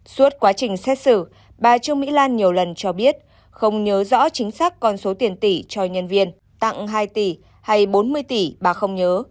suốt quá trình xét xử bà trương mỹ lan nhiều lần cho biết không nhớ rõ chính xác con số tiền tỷ cho nhân viên tặng hai tỷ hay bốn mươi tỷ bà không nhớ